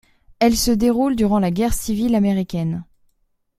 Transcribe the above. Elle se déroule durant la guerre civile américaine.